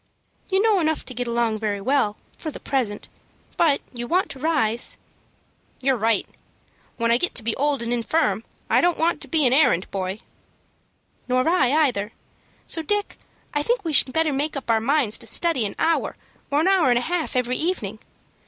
"You know enough to get along very well for the present, but you want to rise." "You're right. When I get to be old and infirm I don't want to be an errand boy." "Nor I either. So, Dick, I think we had better make up our minds to study an hour or an hour and a half every evening.